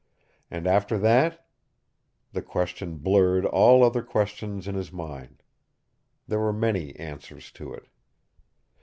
And after that? The question blurred all other questions in his mind. There were many answers to it.